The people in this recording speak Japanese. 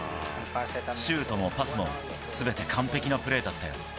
シュートもパスも、すべて完璧なプレーだったよ。